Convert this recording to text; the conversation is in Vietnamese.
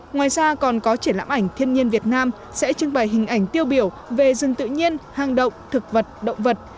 ngoài ra còn có triển lãm ảnh thiên nhiên việt nam sẽ trưng bày hình ảnh tiêu biểu về rừng tự nhiên hàng động thực vật động vật